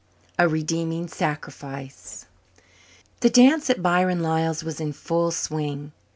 A Redeeming Sacrifice The dance at Byron Lyall's was in full swing.